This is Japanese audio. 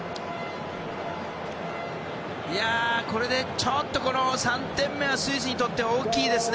ちょっと３点目はスイスにとっては大きいですね。